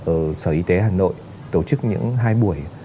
ở sở y tế hà nội tổ chức những hai buổi